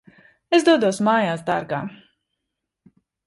Es dodos mājās, dārgā.